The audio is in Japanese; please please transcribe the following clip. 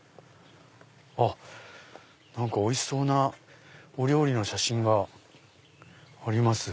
あっ何かおいしそうなお料理の写真があります。